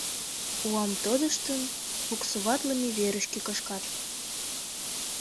Уам тодыштын, буксоватлыме верышке кышкат.